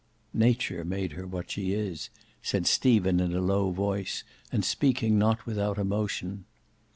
"Nature made her what she is," said Stephen in a low voice, and speaking not without emotion.